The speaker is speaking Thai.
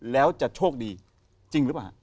แล้วจะโชคดีจริงหรือเปล่า